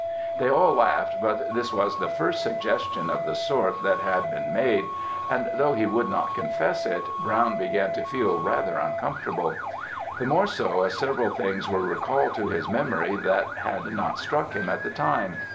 "They all laughed; but this was the first suggestion of the sort that had been made; and though he would not confess it, Brown began to feel rather uncomfortable; the more so as several things were recalled to his memory that had not struck him at the time.